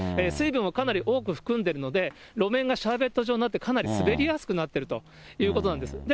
水分をかなり多く含んでいるので、路面がシャーベット状になって、かなり滑りやすくなってるということなんです。